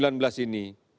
tidak menjadi kesalahan